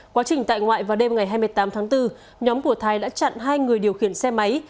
quá trình tại ngoại vào đêm ngày hai mươi tám tháng bốn nhóm của thái đã chặn hai người điều khiển xe máy